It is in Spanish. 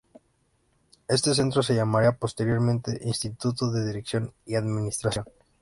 Este centro se llamaría posteriormente Instituto de Dirección y Administración.